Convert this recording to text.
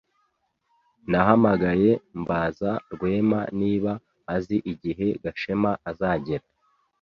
Nahamagaye mbaza Rwema niba azi igihe Gashema azagera.